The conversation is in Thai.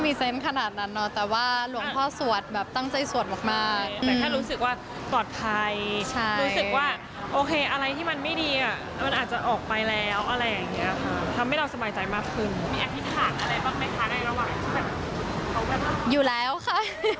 มีอธิษฐานอะไรบ้างในทางในระหว่างอยู่แล้วค่ะ